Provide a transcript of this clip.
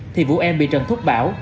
thì vũ em bị trần thuốc bão